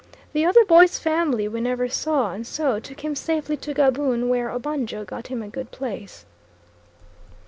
The other boy's family we never saw and so took him safely to Gaboon, where Obanjo got him a good place.